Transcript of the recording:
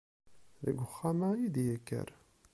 Deg uxxam-a i d-yekker.